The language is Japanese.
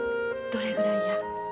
どれぐらいや？